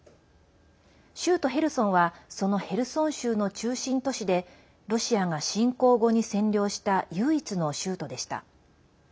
州都ヘルソンはそのヘルソン州の中心都市でロシアが侵攻後に占領した唯一の州都でした。